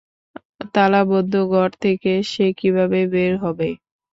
তালাবন্ধ ঘর থেকে সে কীভাবে বের হবে?